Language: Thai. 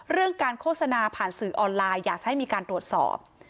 เรื่องการโฆษณาผ่านสื่อออนไลน์อยากจะให้มีการตรวจสอบ